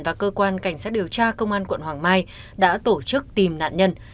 và cơ quan cảnh sát điều tra công an quận hoàng mai đã tổ chức tìm nạn nhân